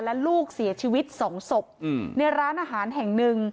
และลูกเสียชีวิตสองศพในร้านอาหารแห่งหนึ่ง